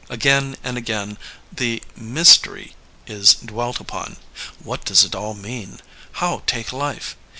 Again and again the mystery" is dwelt upon. What does it all mean ? How take life